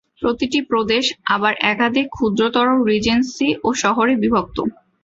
প্রতিটি প্রদেশ আবার একাধিক ক্ষুদ্রতর রিজেন্সি ও শহরে বিভক্ত।